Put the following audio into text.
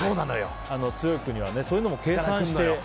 強い国はそういうのも計算して。